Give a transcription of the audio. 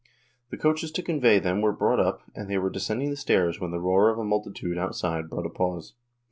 The coaches to convey them were brought up and they were descending the stairs when the roar of a multitude outside brought a pause.